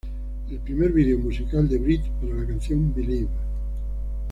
El primer video musical de Britt, para la canción "Believe".